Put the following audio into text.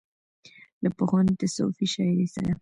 له پخوانۍ تصوفي شاعرۍ سره